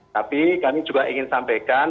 tapi kami juga ingin sampaikan